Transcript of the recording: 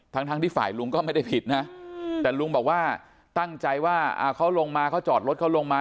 ทั้งที่ฝ่ายลุงก็ไม่ได้ผิดนะแต่ลุงบอกว่าตั้งใจว่าเขาลงมาเขาจอดรถเขาลงมา